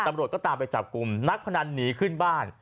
ตำรวจก็ตามไปจับกลุ่มนักพนันหนีขึ้นบ้าน